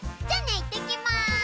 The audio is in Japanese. じゃあねいってきます。